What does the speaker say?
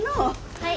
はい。